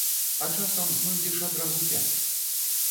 А часам знойдзеш адразу пяць!